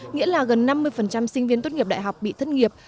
nghĩa là gần năm mươi sinh viên tốt nghiệp đại học bị thất nghiệp